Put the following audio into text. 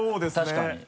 確かに。